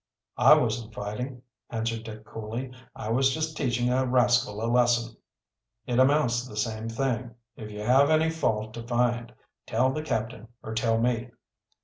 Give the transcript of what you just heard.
"I wasn't fighting," answered Dick coolly. "I was just teaching a rascal a lesson." "It amounts to the same thing. If you have any fault to find tell the captain, or tell me."